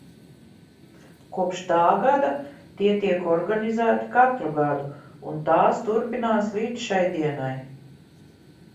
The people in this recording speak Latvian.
Kopš tā gada tie tiek organizēti katru gadu un tās turpinās līdz šai dienai.